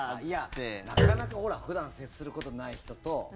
ほら、なかなか普段接することない人と。